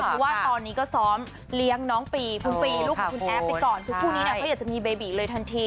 แต่ว่าตอนนี้ก็ซ้อมเลี้ยงน้องปีทุกลูกปุ๊บแอฟไปก่อนคู่นี้แคคอยากจะมีบิบบื่นเลยทันที